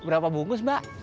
berapa bungkus mbak